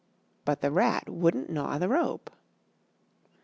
But the rat wouldn't gnaw the rope.